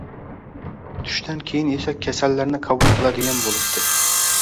Tushdan keyin esa kasallarni qabul qiladigan bo‘libdi